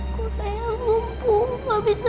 kau kayak mumpung gak bisa jalan